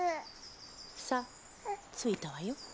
さあ着いたわよ。